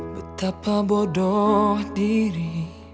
betapa bodoh diri